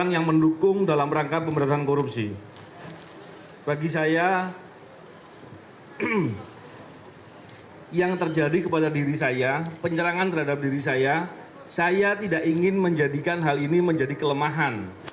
yang terjadi kepada diri saya penyerangan terhadap diri saya saya tidak ingin menjadikan hal ini menjadi kelemahan